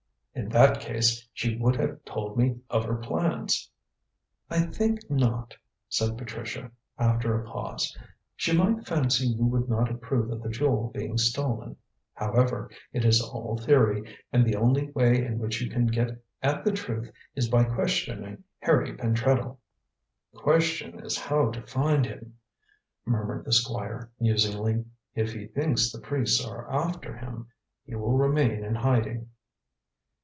"In that case, she would have told me of her plans." "I think not," said Patricia, after a pause. "She might fancy you would not approve of the jewel being stolen. However, it is all theory, and the only way in which you can get at the truth is by questioning Harry Pentreddle." "The question is how to find him," murmured the Squire musingly. "If he thinks the priests are after him, he will remain in hiding."